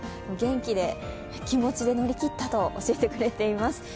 元気で気持ちで乗り切ったと教えてくれています。